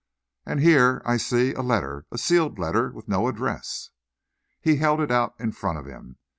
And here, I see, a letter, a sealed letter with no address." He held it out in front of him.